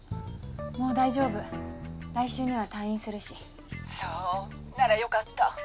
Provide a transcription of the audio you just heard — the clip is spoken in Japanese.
もう大丈夫来週には退院するしそうならよかった